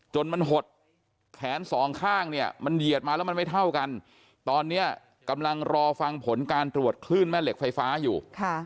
จนมันหดแขนสองข้างเนี่ยมันเหยียดมาแล้วมันไม่เท่ากันตอนนี้กำลังรอฟังผลการตรวจคลื่นแม่เหล็กไฟฟ้าอยู่